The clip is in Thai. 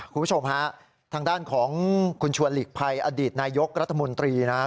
คุณผู้ชมฮะทางด้านของคุณชวนหลีกภัยอดีตนายกรัฐมนตรีนะครับ